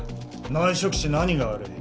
内職して何が悪い？